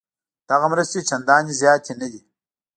دغه مرستې چندانې زیاتې نه دي.